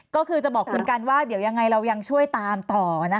ก็คือจะบอกเหมือนกันว่าเดี๋ยวยังไงเรายังช่วยตามต่อนะคะ